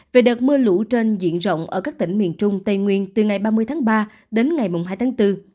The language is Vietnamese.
về đợt mưa lũ trên diện rộng ở các tỉnh miền trung tây nguyên từ ngày ba mươi tháng ba đến ngày hai tháng bốn